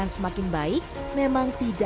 menurut aku mungkin harus di balance balance aja